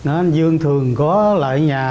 anh dương thường có lại nhà